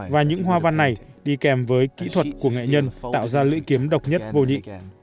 và những hoa văn này đi kèm với kỹ thuật của nghệ nhân tạo ra lưỡi kiếm độc nhất vô nhị